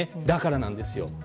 だからなんですよ。